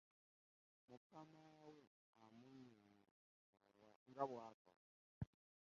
Mukama we amunyonyola nga bwakola .